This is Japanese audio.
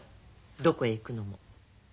どこへ行くのも。